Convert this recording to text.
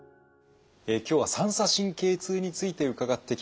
今日は三叉神経痛について伺ってきました。